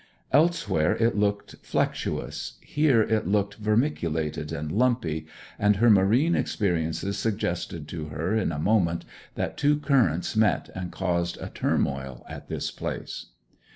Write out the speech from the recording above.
Elsewhere it looked flexuous, here it looked vermiculated and lumpy, and her marine experiences suggested to her in a moment that two currents met and caused a turmoil at this place.